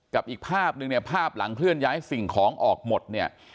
อีกภาพนึงเนี่ยภาพหลังเคลื่อนย้ายสิ่งของออกหมดเนี่ย